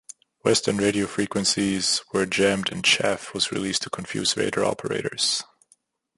Western radio frequencies were jammed and chaff was released to confuse radar operators.